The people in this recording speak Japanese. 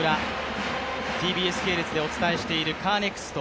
ＴＢＳ系列でお伝えしているカーネクスト